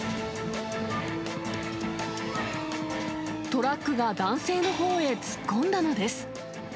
トラックが男性のほうへ突っ込んだのです。